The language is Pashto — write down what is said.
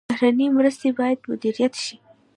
بهرنۍ مرستې باید مدیریت شي